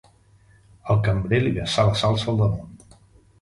El cambrer li vessà la salsa al damunt.